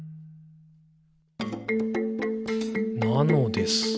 「なのです。」